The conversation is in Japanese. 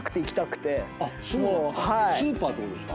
スーパーってことですか？